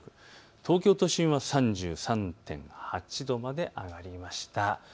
東京都心は３３．８度まで上がりました。